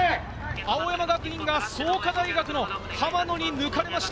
青山学院が創価大学のはまのに抜かれました。